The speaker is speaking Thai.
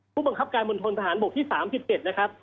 ผู้บังคับการบนทนทหารบกที่๓๑นะครับ